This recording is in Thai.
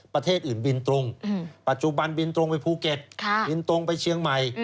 ประเทศอื่นบินตรงปัจจุบันบินตรงไปภูเก็ตบินตรงไปเชียงใหม่